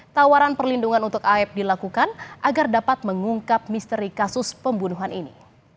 tawaran perlindungan untuk aep dilakukan agar dapat mengungkap misteri kasus pembunuhan ini